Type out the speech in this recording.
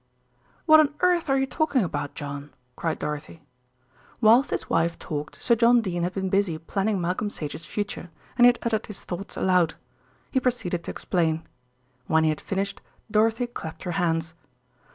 "What on earth are you talking about, John?" cried Dorothy. Whilst his wife talked Sir John Dene had been busy planning Malcolm Sage's future, and he had uttered his thoughts aloud. He proceeded to explain. When he had finished, Dorothy clapped her hands.